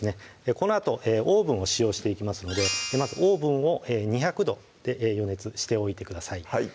このあとオーブンを使用していきますのでまずオーブンを２００℃で予熱しておいてください